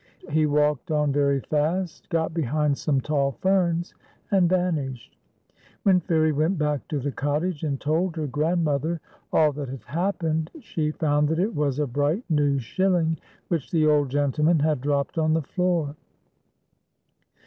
He walked on very fast, got behind some tall ferns, and vanished. When Fairie went back to the cottage and told her grandmother all that had happened, she found that it was a bright new shilling which the old gentleman had dropped on the floor.